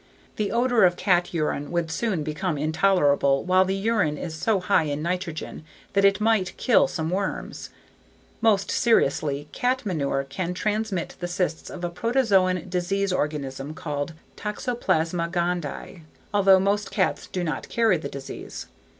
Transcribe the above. The odor of cat urine would soon become intolerable while the urine is so high in nitrogen that it might kill some worms. Most seriously, cat manure can transmit the cysts of a protozoan disease organism called Toxoplasma gondii, although most cats do not carry the disease.